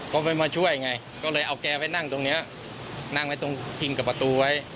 เขาไม่มาช่วยไงก็เลยเอาแกไปนั่งตรงนี้นั่งไว้ตรงพิงกับประตูไว้